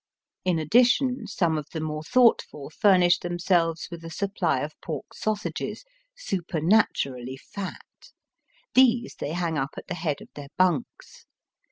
In addition some of the more thoughtful furnish themselves with a supply of pork sausages supematurally fat. These they hang up at the head of their bunks.